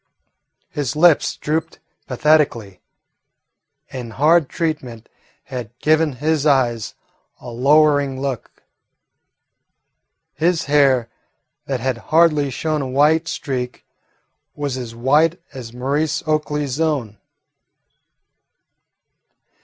His lips drooped pathetically, and hard treatment had given his eyes a lowering look. His hair, that had hardly shown a white streak, was as white as Maurice Oakley's own.